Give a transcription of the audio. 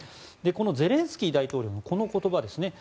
ゼレンスキー大統領のこの言葉ですね